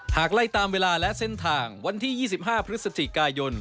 ไล่ตามเวลาและเส้นทางวันที่๒๕พฤศจิกายน